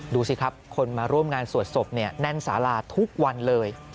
ดูสิครับคนมาร่วมงานสวดศพแน่นสาราทุกวันเลย